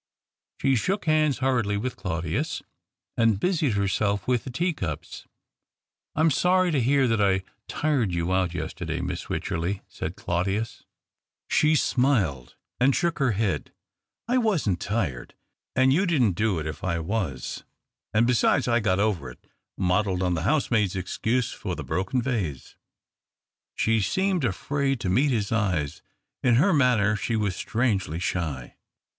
She shook hands hurriedly with Claudius, and busied herself with the tea cups. " I am sorry to hear that I tired you out yesterday, Miss Wycherley," said Claudius. 2U TQE OCTAVE OB^ CLAUDIUS. Sh3 smiled and shook lier head. " I wasn't tired, and you didn't do it if I was, and besides I've got over it — modelled on the housemaid's excuse for the broken vase." She seemed afraid to meet his eyes ; in her manner she was strangely shy.